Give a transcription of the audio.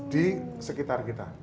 di sekitar kita